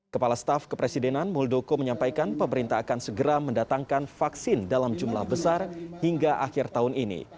kepala staf kepresidenan muldoko menyampaikan pemerintah akan segera mendatangkan vaksin dalam jumlah besar hingga akhir tahun ini